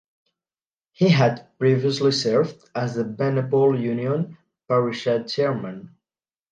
He had previously served as the Benapole Union Parishad Chairman.